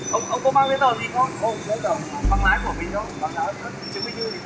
đây đây đây anh em dắt